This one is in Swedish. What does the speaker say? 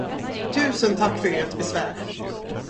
Tusen tack för ert besvär.